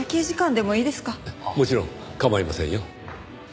もちろん構いませんよ。